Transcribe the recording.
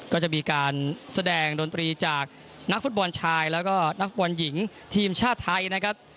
ก็จะมีการแสดงดนตรีจากนักฟุตบอลชายแล้วก็นักฟุตบอลหญิงทีมชาติไทยนะครับ